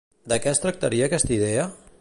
De què es tractaria aquesta idea?